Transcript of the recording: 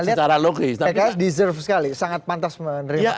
lihat pks deserve sekali sangat pantas menerima